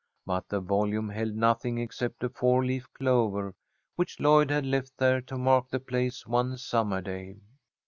But the volume held nothing except a four leaf clover, which Lloyd had left there to mark the place one summer day.